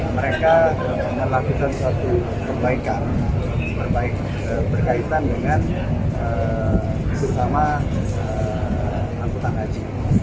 mereka melakukan suatu perbaikan berkaitan dengan bersama anggota ngaji